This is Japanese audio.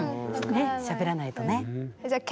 ねっしゃべらないとね。